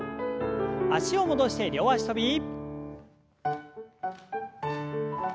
脚を戻して両脚跳び。